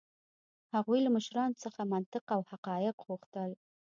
هغوی له مشرانو څخه منطق او حقایق غوښتل.